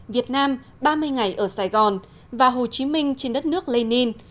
việt nam ba mươi ngày ở sài gòn và hồ chí minh trên đất nước lê ninh